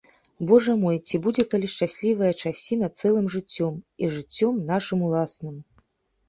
Божа мой, ці будзе калі шчаслівая часіна цэлым жыццём, і жыццём нашым уласным.